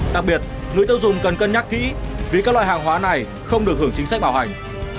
đặc biệt người tiêu dùng cần cân nhắc kỹ vì các loại hàng hóa này không được hưởng chính sách bảo hành